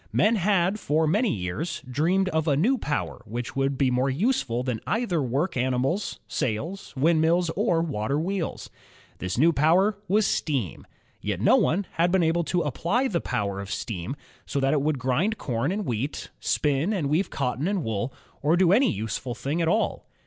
Men had, for many years, dreamed of a new power which would be more useful than either work animals, sails, windmills, or water wheels. This new power was steam. Yet no one had been able to apply the power of steam so that it would grind corn and wheat, spin and weave cotton and wool, or do any useful thing at all.